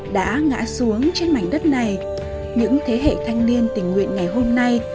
đã ngã xuống trên mảnh đất này